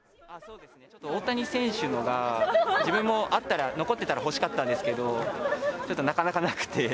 大谷選手のが、自分もあったら、残ってたら欲しかったんですけど、ちょっとなかなかなくて。